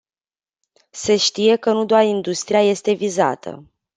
Se știe că nu doar industria este vizată.